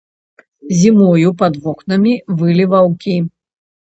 Зімою пад вокнамі вылі ваўкі.